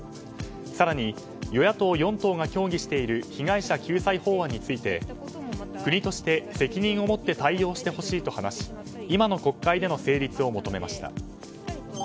更に、与野党４党が協議している被害者救済法案について国として責任を持って対応してほしいと話し今の国会での成立を求めました。